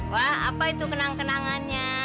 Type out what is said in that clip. wah apa itu kenang kenangannya